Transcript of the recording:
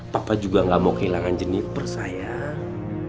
papa juga gak mau kehilangan jeniper sayang